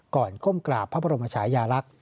ก้มกราบพระบรมชายาลักษณ์